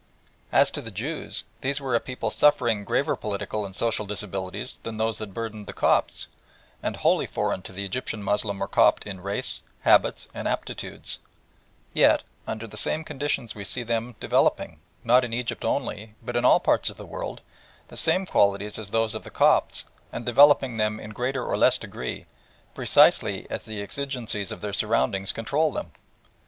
As to the Jews, these were a people suffering graver political and social disabilities than those that burthened the Copts, and wholly foreign to the Egyptian Moslem or Copt in race, habits, and aptitudes; yet under the same conditions we see them developing, not in Egypt only, but in all parts of the world, the same qualities as those of the Copts and developing them in greater or less degree, precisely as the exigencies of their surroundings control them.